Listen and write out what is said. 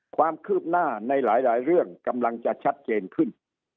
ความคืบหน้าในหลายเรื่องกำลังจะชัดเจนขึ้น